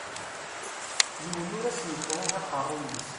Yiwen ur as-yettruẓ aqerruy-is.